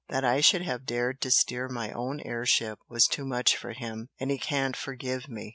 That I should have dared to steer my own air ship was too much for him, and he can't forgive me!"